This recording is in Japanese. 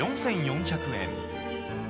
４４００円。